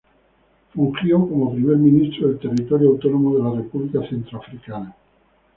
Fungió como Primer Ministro del territorio autónomo de la República Centroafricana.